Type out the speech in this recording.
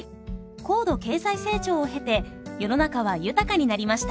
高度経済成長を経て世の中は豊かになりました。